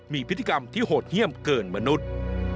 มีพฤติกรรมที่โหดเยี่ยมเกินมนุษย์